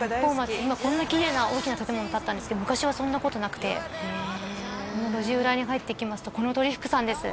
今こんなきれいな大きな建物建ったんですけど昔はそんなことなくてへえこの路地裏に入っていきますとこのとり福さんです